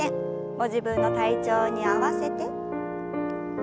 ご自分の体調に合わせて。